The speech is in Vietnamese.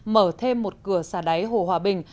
mở thêm một cửa xà đáy hồ hòa bình